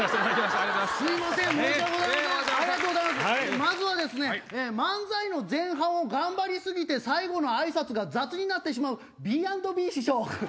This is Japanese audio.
まずは漫才の前半を頑張り過ぎて最後の挨拶が雑になってしまうＢ＆Ｂ師匠。